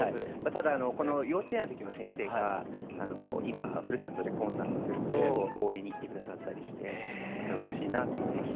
ただこの幼稚園の時の先生が今ふるさとでコンサートすると応援に来て下さったりしてうれしいなと思いますね。